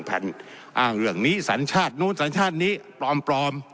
อ้างเรื่องนี้สัญชาตินู้นสัญชาตินี้ปลอม